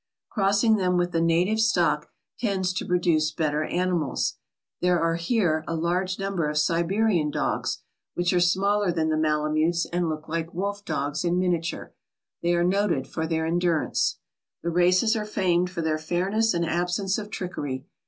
Crossing them with the native stock tends to produce better ani mals. There are here a large number of Siberian dogs 200 THE DOG DERBY OF ALASKA which are smaller than the malamutes and look like wolf dogs in miniature. They are noted for their endurance. The races are famed for their fairness and absence of trickery.